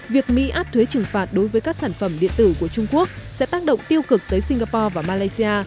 việc mỹ áp thuế trừng phạt đối với các sản phẩm điện tử của trung quốc sẽ tác động tiêu cực tới singapore và malaysia